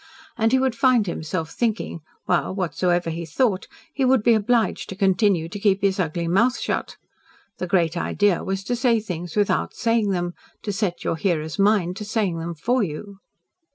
And he would find himself thinking, while, whatsoever he thought, he would be obliged to continue to keep his ugly mouth shut. The great idea was to say things WITHOUT saying them, to set your hearer's mind to saying them for you.